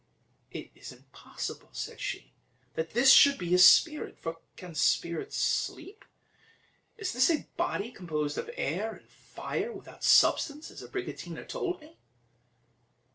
"It is impossible," said she, "that this should be a spirit; for can spirits sleep? Is this a body composed of air and fire, without substance, as Abricotina told me?"